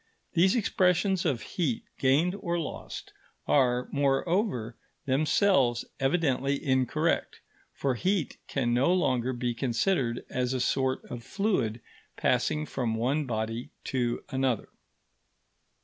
These expressions of heat gained or lost are, moreover, themselves evidently incorrect, for heat can no longer be considered as a sort of fluid passing from one body to another.